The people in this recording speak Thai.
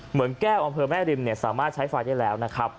เมืองแก้วอำเภอแม่ริมสามารถใช้ไฟได้แล้วนะครับ